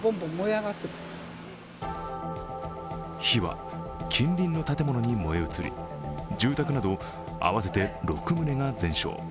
火は近隣の建物に燃え移り、住宅など合わせて６棟が全焼。